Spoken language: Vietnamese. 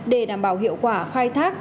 để đảm bảo hiệu quả khai thác